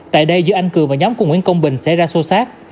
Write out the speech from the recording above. tại đây giữa anh cường và nhóm của nguyễn công bình xảy ra sô sát